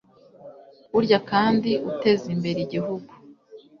burya kandi uteza imbere igihugu